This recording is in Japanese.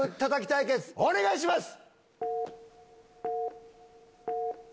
対決お願いします！